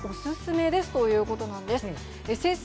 これはお勧めですということなんです。